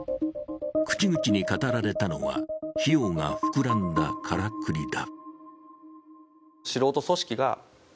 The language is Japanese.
口々に語られたのは、費用が膨らんだからくりだ。